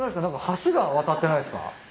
何か橋が渡ってないっすか？